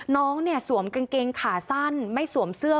น้องเนี่ยสวมกางเกงขาสั้นไม่สวมเสื้อ